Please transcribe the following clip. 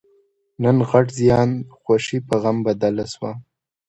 نن غټ زیان؛ خوښي په غم بدله شوه.